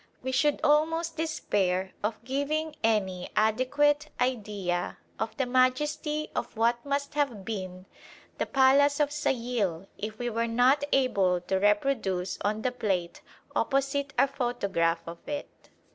We should almost despair of giving any adequate idea of the majesty of what must have been the palace of Sayil if we were not able to reproduce on the plate opposite our photograph of it.